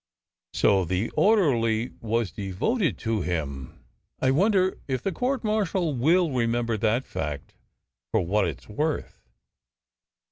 " So the orderly was devoted to him ! I wonder if the court martial will remember that fact for what it s worth?"